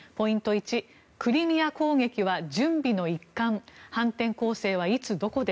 １クリミア攻撃は準備の一環反転攻勢はいつどこで？